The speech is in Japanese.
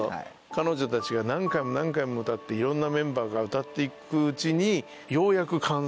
彼女たちが何回も何回も歌っていろんなメンバーが歌って行くうちに。